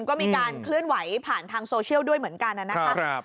ก็มีการเคลื่อนไหวผ่านทางโซเชียลด้วยเหมือนกันนะครับ